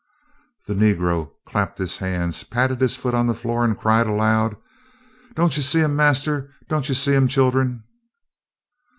The negro clapped his hands, patted his foot on the floor and cried aloud: "Doan yer see um, Marster? doan yer see um, chillun?"